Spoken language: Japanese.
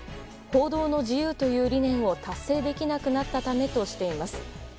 報道の自由という理念を達成できなくなったためとしています。